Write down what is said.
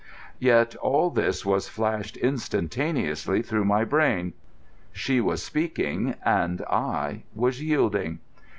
Yet all this was flashed instantaneously through my brain—she was speaking—and I was yielding.